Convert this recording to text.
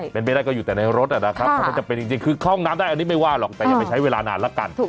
เป็นไปได้ก็อยู่แต่ในรถนะครับถ้าข้ออ้องน้ำได้อันนี้ไม่ว่าหรอกก็ยังไปใช้เวลานานแล้วกัน